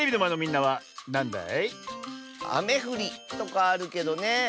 「あめふり」とかあるけどねえ。